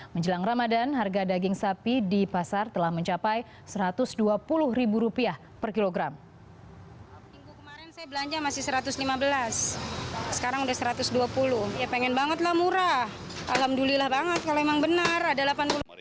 menjelang ramadan harga daging sapi di pasar telah mencapai rp satu ratus dua puluh per kilogram